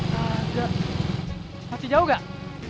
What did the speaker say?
kagak masih jauh gak